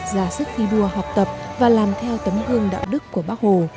giả sức thi đua học tập và làm theo tấm hương đạo đức của bác hồ